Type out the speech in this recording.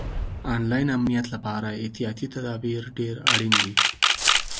آنلاین امنیت لپاره احتیاطي تدابیر ډېر اړین دي.